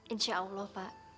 insya allah pak